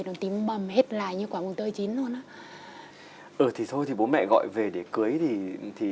nó tím bầm hết lại như quả mùa tươi chín luôn á ừ thì thôi thì bố mẹ gọi về để cưới thì thì